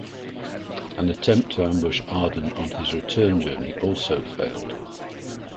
An attempt to ambush Arden on his return journey also failed.